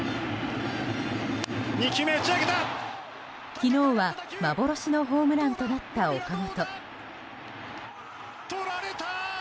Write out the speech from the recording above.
昨日は幻のホームランとなった岡本。